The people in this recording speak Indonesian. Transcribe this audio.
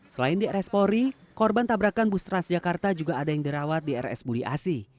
selain di rs polri korban tabrakan bus transjakarta juga ada yang dirawat di rs budi asi